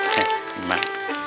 cek ini mah